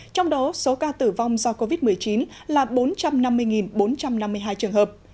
trong đó số ca tử vong do covid một mươi chín là bốn trăm năm mươi bốn trăm năm mươi hai trường hợp